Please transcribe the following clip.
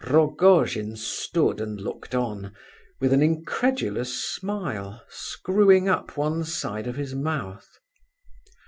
Rogojin stood and looked on, with an incredulous smile, screwing up one side of his mouth.